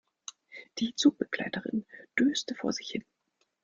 Die Zugbegleiterin döste vor sich hin.